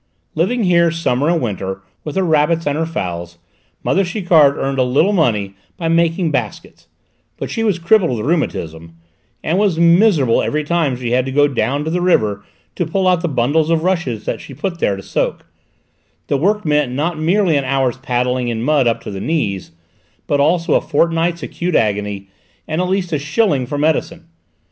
Living here summer and winter, with her rabbits and her fowls, mother Chiquard earned a little money by making baskets; but she was crippled with rheumatism, and was miserable every time she had to go down to the river to pull out the bundles of rushes that she put there to soak; the work meant not merely an hour's paddling in mud up to the knees, but also a fortnight's acute agony and at least a shilling for medicine.